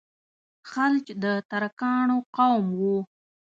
خلج د ترکانو قوم وو.